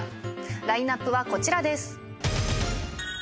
ラインアップはこちらです。